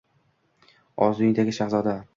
- Orzuyingizdagi shahzoda!